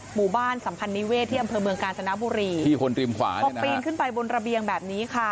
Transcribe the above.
หมู่บ้านสัมพันธ์นิเวศที่อำเภอเมืองกาญจนบุรีที่คนริมขวาพอปีนขึ้นไปบนระเบียงแบบนี้ค่ะ